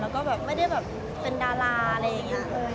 แล้วก็แบบไม่ได้แบบเป็นดาราอะไรอย่างนี้